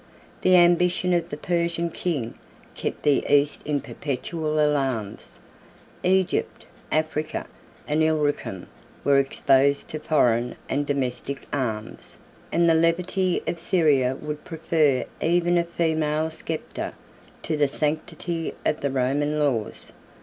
The ambition of the Persian king kept the East in perpetual alarms; Egypt, Africa, and Illyricum, were exposed to foreign and domestic arms, and the levity of Syria would prefer even a female sceptre to the sanctity of the Roman laws.